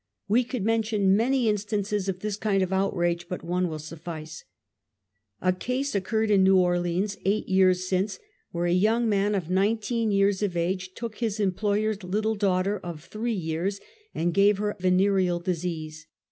We could mention many in stances of this kind of outrage, but one will suffice. A case occurred in New Orleans, eight years since^ where a young man of nineteen years of age took \, his employer's little daughter of three years and gave her venereal disease.